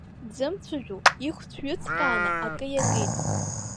Дзымцәажәо, ихәцә ҩыҵкааны акы иакит.